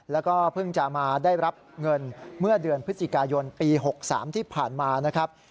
แล้วก็เพิ่งจะมาได้รับเงินเมื่อเดือนพฤศจิกายนปี๖๓ที่ผ่านมานะครับ